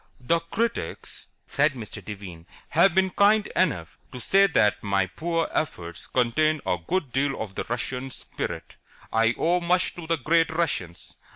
"The critics," said Mr. Devine, "have been kind enough to say that my poor efforts contain a good deal of the Russian spirit. I owe much to the great Russians.